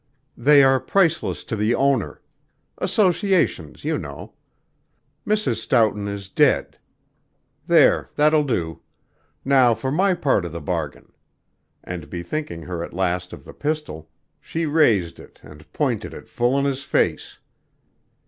"They are priceless to the owner. Associations you know. Mrs. Stoughton is dead There! that will do. Now for my part of the bargain," and bethinking her at last of the pistol, she raised it and pointed it full in his face.